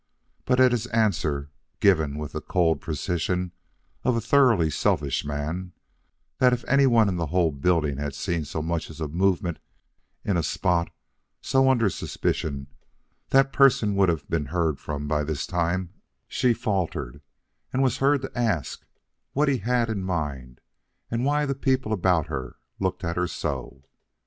But at his answer, given with the cold precision of a thoroughly selfish man, that if anyone in the whole building had seen so much as a movement in a spot so under suspicion, that person would have been heard from by this time, she faltered and was heard to ask what he had in mind and why the people about her looked at her so.